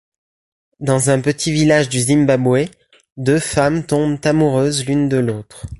Dans un petit village du Zimbabwe, deux femmes tombent amoureuses l'une de l'autre.